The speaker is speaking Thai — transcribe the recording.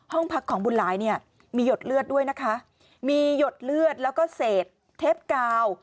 ห้องพักของบุญหลายเนี่ยมีหยดเลือดด้วยนะคะมีหยดเลือดแล้วก็เศษเทปกาว